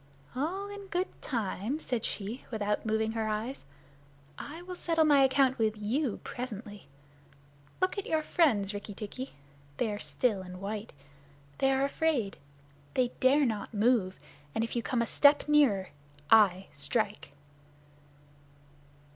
"All in good time," said she, without moving her eyes. "I will settle my account with you presently. Look at your friends, Rikki tikki. They are still and white. They are afraid. They dare not move, and if you come a step nearer I strike."